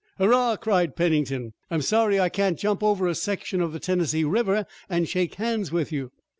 "Hurrah!" cried Pennington. "I'm sorry I can't jump over a section of the Tennessee River and shake hands with you."